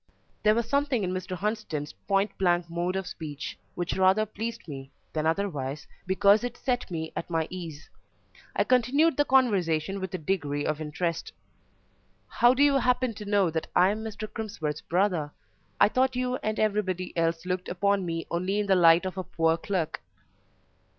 There was something in Mr. Hunsden's point blank mode of speech which rather pleased me than otherwise because it set me at my ease. I continued the conversation with a degree of interest. "How do you happen to know that I am Mr. Crimsworth's brother? I thought you and everybody else looked upon me only in the light of a poor clerk."